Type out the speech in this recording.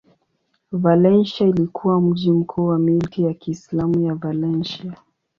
Valencia ilikuwa mji mkuu wa milki ya Kiislamu ya Valencia.